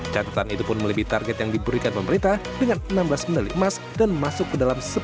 catatan itu pun melebihi target yang diberikan pemerintah dengan enam belas menelit mas dan masuk ke dalam